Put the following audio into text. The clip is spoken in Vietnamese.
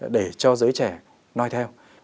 để cho giới trẻ nói theo